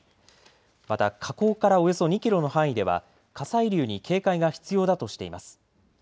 また火口からおよそ２キロの範囲では火砕流に警戒が必要だとしています。